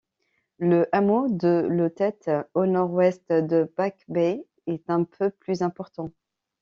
Le hameau de Letete, au nord-ouest de Back Bay, est un peu plus important.